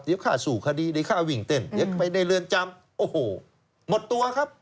เดี๋ยวค่าสู่คดีเดี๋ยวค่าวิ่งเต้นเดี๋ยวไปในเรือนจำโอ้โหหมดตัวครับ